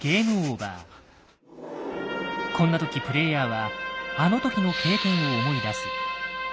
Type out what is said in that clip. こんな時プレイヤーはあの時の経験を思い出す。